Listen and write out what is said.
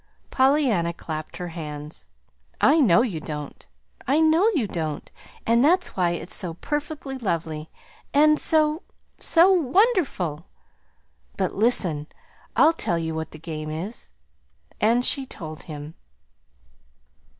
Pollyanna clapped her hands. "I know you don't I know you don't, and that's why it's so perfectly lovely, and so so wonderful! But listen. I'll tell you what the game is." And she told him.